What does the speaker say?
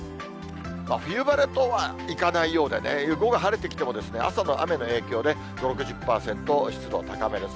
冬晴れとはいかないようでね、午後晴れてきても、朝の雨の影響で、５、６０％、湿度高めです。